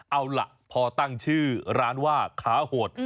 เอาล่ะพอตั้งชื่อร้านว่าขาโหด